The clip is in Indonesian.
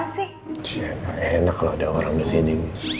cie enak enak kalau ada orang disini